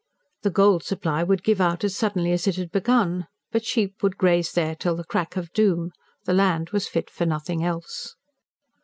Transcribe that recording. The gold supply would give out as suddenly as it had begun; but sheep would graze there till the crack of doom the land was fit for nothing else.